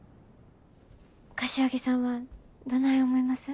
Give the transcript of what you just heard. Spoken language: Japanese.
柏木さんはどない思います？